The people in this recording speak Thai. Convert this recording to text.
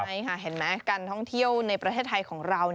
ใช่ค่ะเห็นไหมการท่องเที่ยวในประเทศไทยของเรา